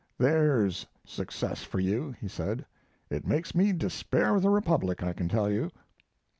"There's success for you," he said. "It makes me despair of the Republic, I can tell you."